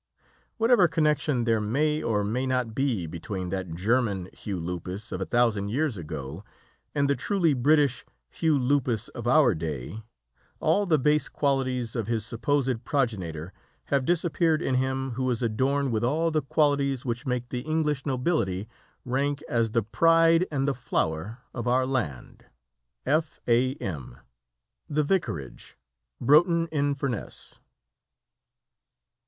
Whatever connection there may or may not be between that German Hugh Lupus of a thousand years ago and the truly British Hugh Lupus of our day, all the base qualities of his supposed progenitor have disappeared in him who is adorned with all the qualities which make the English nobility rank as the pride and the flower of our land. F. A. M. The Vicaraqe, Broughton in Furness.